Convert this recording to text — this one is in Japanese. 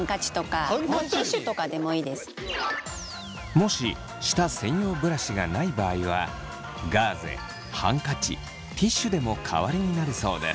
もし舌専用ブラシがない場合はガーゼハンカチティッシュでも代わりになるそうです。